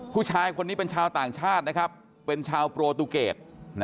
ผู้ชายคนนี้เป็นชาวต่างชาตินะครับเป็นชาวโปรตูเกต